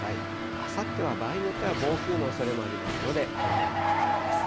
あさっては場合によっては、暴風のおそれもありますので、警戒が必要です。